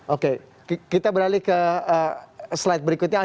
oke kita beralih ke slide berikutnya